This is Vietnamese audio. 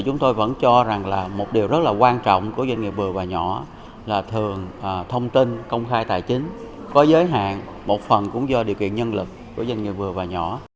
chúng tôi vẫn cho rằng là một điều rất là quan trọng của doanh nghiệp vừa và nhỏ là thường thông tin công khai tài chính có giới hạn một phần cũng do điều kiện nhân lực của doanh nghiệp vừa và nhỏ